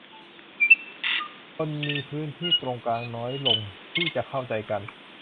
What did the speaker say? คนมีพื้นที่ตรงกลางน้อยลงที่จะเข้าใจกัน